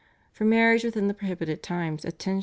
for marriage within the prohibited times at 10s.